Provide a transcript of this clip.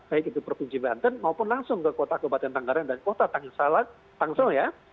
baik itu provinsi banten maupun langsung ke kota kabupaten tangerang dan kota tangsel ya